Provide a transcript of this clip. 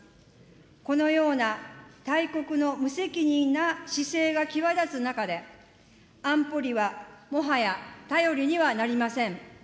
このような大国の無責任な姿勢が際立つ中で、安保理はもはや頼りにはなりません。